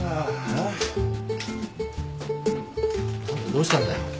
どうしたんだよ？